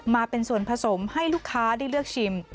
มาเป็นส่วนผสมให้ลูกค้าได้เลือกชิม